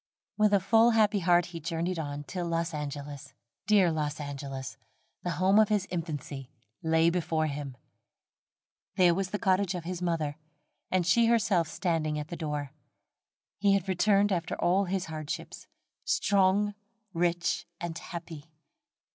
With a full happy heart he journeyed on, till Los Angeles, dear Los Angeles, the home of his infancy, lay before him. There was the cottage of his mother, and she herself standing at the door. He had returned after all his hardships, strong, rich, and happy.